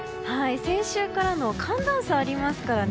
先週から寒暖差がありますからね。